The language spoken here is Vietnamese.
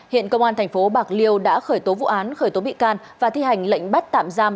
hiện công an thành phố bạc liêu đã khởi tố vụ án khởi tố bị can và thi hành lệnh bắt tạm giam